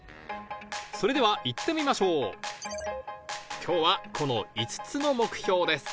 それでは行ってみましょう今日はこの５つの目標です